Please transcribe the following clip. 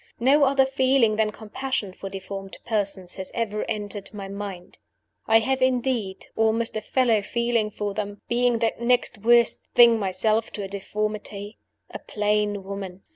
No other feeling than compassion for deformed persons has ever entered my mind. I have, indeed, almost a fellow feeling for them; being that next worst thing myself to a deformity a plain woman.